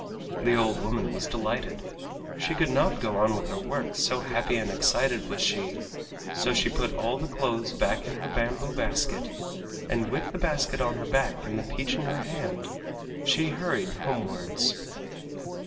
The old woman was delighted. She could not go on with her work, so happy and excited was she, so she put all the clothes back in her bamboo basket, and with the basket on her back and the peach in her hand she hurried homewards.